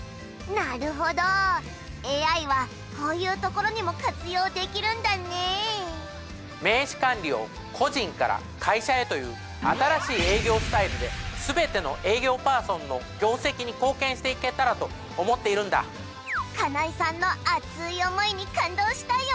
なるほどＡＩはこういうところにも活用できるんだね名刺管理を個人から会社へという新しい営業スタイルで全ての営業パーソンの業績に貢献していけたらと思っているんだ金井さんの熱い思いに感動したよ